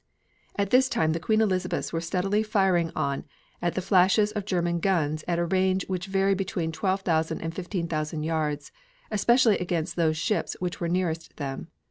At this time the Queen Elizabeths were steadily firing on at the flashes of German guns at a range which varied between 12,000 and 15,000 yards, especially against those ships which were nearest them.